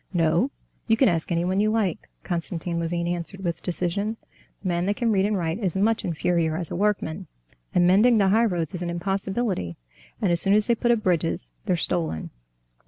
"No, you can ask anyone you like," Konstantin Levin answered with decision, "the man that can read and write is much inferior as a workman. And mending the highroads is an impossibility; and as soon as they put up bridges they're stolen."